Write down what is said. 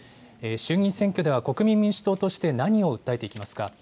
衆議院選挙では、国民民主党として何を訴えていきますか。